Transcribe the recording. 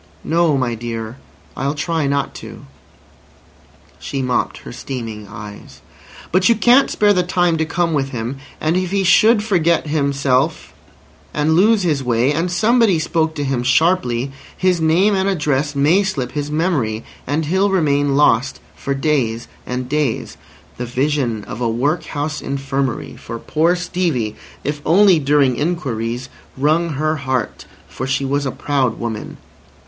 "No, my dear. I'll try not to." She mopped her streaming eyes. "But you can't spare the time to come with him, and if he should forget himself and lose his way and somebody spoke to him sharply, his name and address may slip his memory, and he'll remain lost for days and days—" The vision of a workhouse infirmary for poor Stevie—if only during inquiries—wrung her heart. For she was a proud woman.